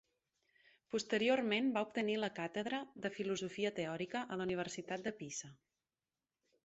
Posteriorment va obtenir la càtedra de Filosofia teòrica a la Universitat de Pisa.